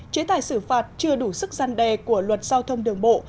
chế tài xử phạt chưa đủ sức gian đề của luật giao thông đường bộ